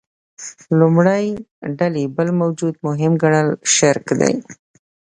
لومړۍ ډلې بل موجود مهم ګڼل شرک دی.